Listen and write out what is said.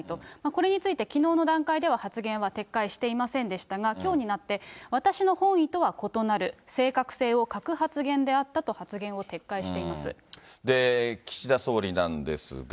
これについてきのうの段階では発言は撤回していませんでしたが、きょうになって、私の本意とは異なる、正確性を欠く発言であったと発言を撤回して岸田総理なんですが。